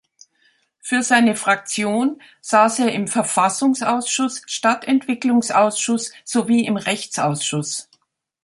Für seine Fraktion saß er im Verfassungsausschuss, Stadtentwicklungsausschuss sowie im Rechtsausschuss.